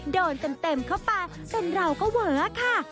โดนเต็มเข้าไปเต็มเหลาก็เหว่าค่ะ